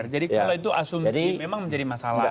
jadi kalau itu asumsi memang menjadi masalah